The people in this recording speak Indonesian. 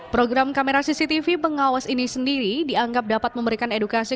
program kamera cctv pengawas ini sendiri dianggap dapat memberikan edukasi